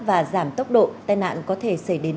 và giảm tốc độ tai nạn có thể xảy đến